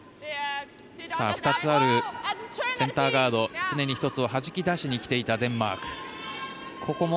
２つあるセンターガード常に１つをはじき出しにきていたデンマーク。